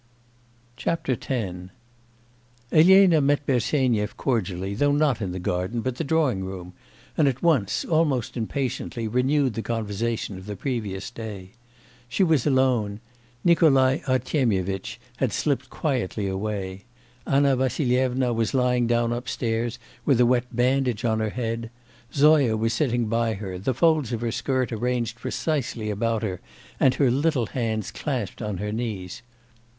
X Elena met Bersenyev cordially, though not in the garden, but the drawing room, and at once, almost impatiently, renewed the conversation of the previous day. She was alone; Nikolai Artemyevitch had quietly slipped away. Anna Vassilyevna was lying down upstairs with a wet bandage on her head. Zoya was sitting by her, the folds of her skirt arranged precisely about her, and her little hands clasped on her knees.